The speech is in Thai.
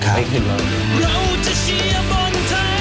ไม่เคยลืมเรื่องนี้